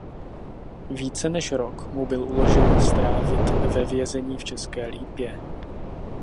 Více než rok mu byl uložen strávit ve vězení v České Lípě.